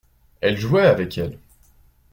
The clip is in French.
Elle jouait avec elle.